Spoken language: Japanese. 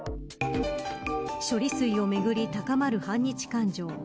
処理水をめぐり高まる反日感情。